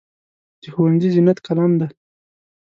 د ښوونځي زینت قلم دی.